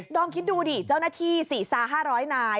น้องคิดดูดิเจ้าหน้าที่สี่สาหร่อยนาย